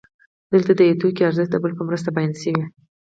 دلته د یو توکي ارزښت د بل په مرسته بیان شوی